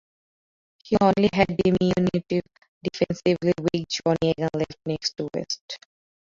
He only had diminutive, defensively weak Johnny Egan left next to West.